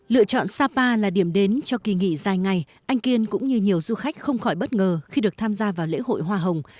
lựa chọn sapa là điểm đến cho kỳ nghỉ dài ngày anh kiên cũng như nhiều du khách không khỏi bất ngờ khi được tham gia vào lễ hội hoa hồng